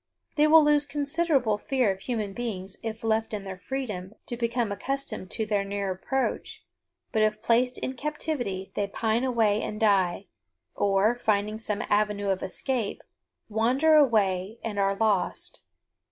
They will lose considerable fear of human beings if left in their freedom to become accustomed to their near approach, but if placed in captivity they pine away and die, or, finding some avenue of escape, wander away and are lost.